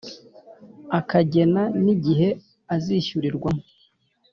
akagena n igihe azishyurwamo